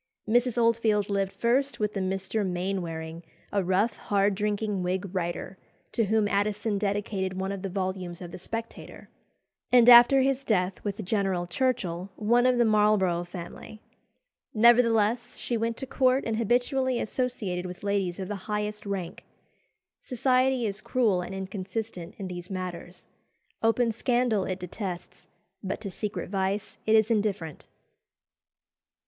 Mrs. Oldfield lived first with a Mr. Maynwaring, a rough, hard drinking Whig writer, to whom Addison dedicated one of the volumes of the Spectator; and after his death with General Churchill, one of the Marlborough family. Nevertheless, she went to court and habitually associated with ladies of the highest rank. Society is cruel and inconsistent in these matters. Open scandal it detests, but to secret vice it is indifferent.